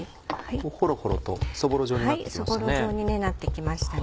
ホロホロとそぼろ状になってきましたね。